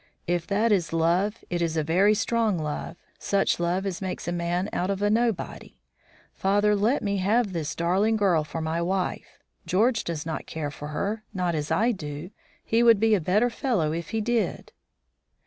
If that is love, it is a very strong love; such love as makes a man out of a nobody. Father, let me have this darling girl for my wife. George does not care for her, not as I do. He would be a better fellow if he did."